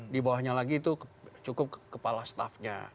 di bawahnya lagi itu cukup kepala staffnya